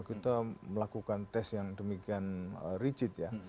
kita melakukan tes yang demikian rigid ya